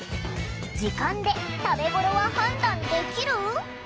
時間で食べごろは判断できる？